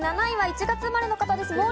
７位は１月生まれの方です。